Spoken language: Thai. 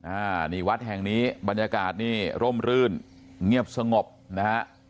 อ่านี่วัดแห่งนี้บรรยากาศนี่ร่มรื่นเงียบสงบนะฮะ